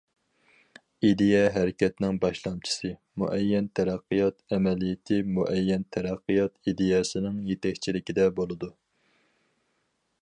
ئىدىيە ھەرىكەتنىڭ باشلامچىسى، مۇئەييەن تەرەققىيات ئەمەلىيىتى مۇئەييەن تەرەققىيات ئىدىيەسىنىڭ يېتەكچىلىكىدە بولىدۇ.